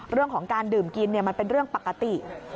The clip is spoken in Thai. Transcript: เรื่องของการดื่มกินมันเป็นเรื่องปกติ